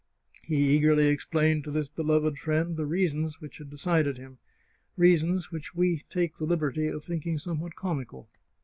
He eagerly explained to this beloved friend the reasons which had decided him — reasons which we take the liberty of thinking somewhat comical.